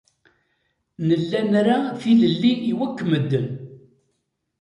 Nella nra tilelli i wakk medden.